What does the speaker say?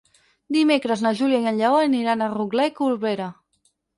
Dimecres na Júlia i en Lleó aniran a Rotglà i Corberà.